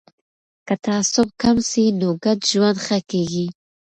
که تعصب کم سي نو ګډ ژوند ښه کیږي.